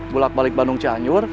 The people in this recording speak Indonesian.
gulak balik bandung cianyur